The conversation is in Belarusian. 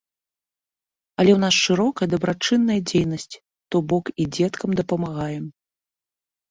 Але ў нас шырокая дабрачынная дзейнасць, то бок і дзеткам дапамагаем.